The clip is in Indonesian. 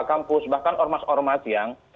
kampus bahkan ormas ormas yang